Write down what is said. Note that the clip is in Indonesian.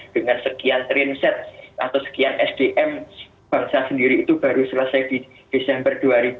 dengan sekian trainset atau sekian sdm bangsa sendiri itu baru selesai di desember dua ribu dua puluh